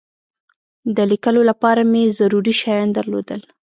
د لیکلو لپاره مې ضروري شیان درلودل.